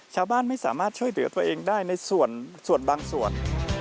ชาวบ้านไม่สามารถช่วยเหลือตัวเองได้ในส่วนบางส่วน